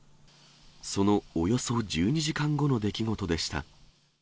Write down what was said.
そのおよそ１２時間後の出来事でした。